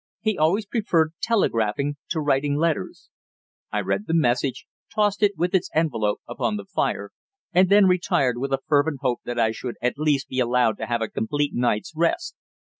He always preferred telegraphing to writing letters. I read the message, tossed it with its envelope upon the fire, and then retired with a fervent hope that I should at least be allowed to have a complete night's rest.